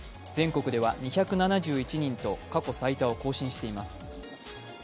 全国では２７１人と、過去最多を更新しています。